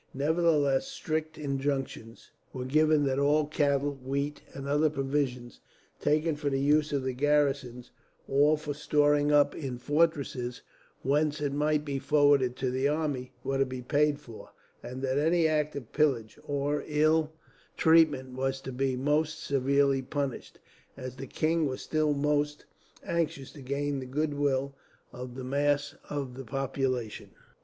Nevertheless, strict injunctions were given that all cattle, wheat, and other provisions taken for the use of the garrisons, or for storing up in fortresses whence it might be forwarded to the army, were to be paid for; and that any act of pillage or ill treatment was to be most severely punished, as the king was still most anxious to gain the goodwill of the mass of the population.